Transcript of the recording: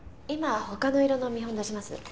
今他の色の見本出します。